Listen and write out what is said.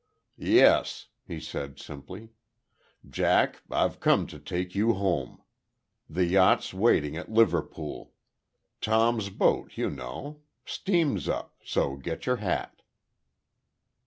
"Yes," he said, simply. "Jack, I've come to take you home. The yacht's waiting at Liverpool. Tom's boat, you know. Steam's up. So get your hat."